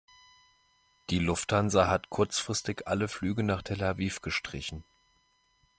Die Lufthansa hat kurzfristig alle Flüge nach Tel Aviv gestrichen.